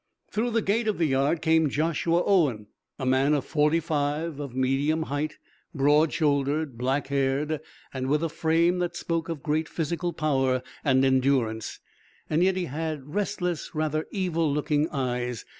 Through the gate of the yard came Joshua Owen, a man of forty five, of medium height, broad shouldered, black haired and with a frame that spoke of great physical power and endurance. Yet he had restless, rather evil looking eyes.